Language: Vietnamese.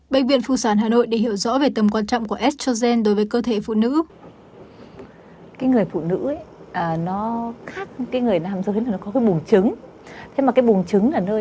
bệnh viện phụ sản hà nội để hiểu rõ về tầm quan trọng của scholzen đối với cơ thể phụ nữ